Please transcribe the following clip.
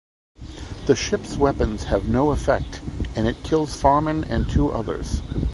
The ship's weapons have no effect, and it kills Farman and two others.